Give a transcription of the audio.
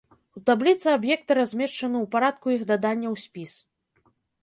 У табліцы аб'екты размешчаны ў парадку іх дадання ў спіс.